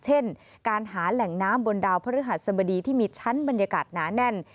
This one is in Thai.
เช่นการหาแหล่งน้ำบนดาวพระฤหัสบดีที่มีชั้นบรรยากาศหนาแน่น